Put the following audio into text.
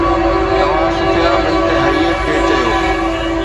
توهان صفيه بنت حي کي چيو